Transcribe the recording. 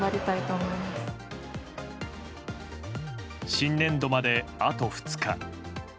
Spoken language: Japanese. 新年度まであと２日。